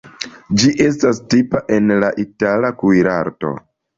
Ĝi estas tipa en la itala kuirarto.